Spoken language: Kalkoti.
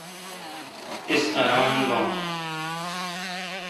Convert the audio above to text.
تس اران بھان۔